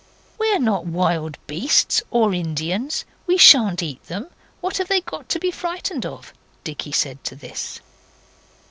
'We're not wild beasts or Indians; we shan't eat them. What have they got to be frightened of?' Dicky said this.